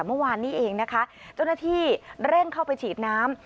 เมื่อวานนี้เองนะคะเจ้าหน้าที่เร่งเข้าไปฉีดน้ำ